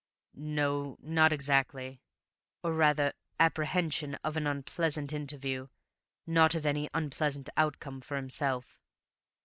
"N no, not exactly. Or, rather, apprehension of an unpleasant interview, not of any unpleasant outcome for himself."